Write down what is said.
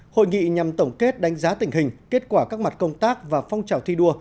hội nghị nhằm tổng kết đánh giá tình hình kết quả các mặt công tác và phong trào thi đua